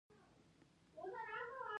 او په خپلو مټو.